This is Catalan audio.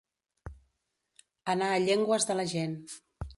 Anar a llengües de la gent.